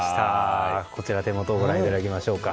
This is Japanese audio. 手元をご覧いただきましょうか。